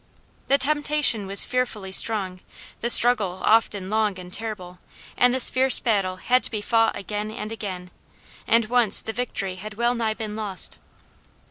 The temptation was fearfully strong; the struggle often long and terrible; and this fierce battle had to be fought again and again, and once the victory had wellnigh been lost.